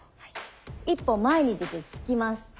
一歩前に出て突きます。